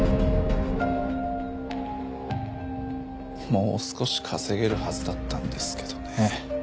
もう少し稼げるはずだったんですけどね。